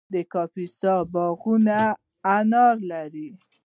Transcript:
د کاپیسا باغونه انار لري.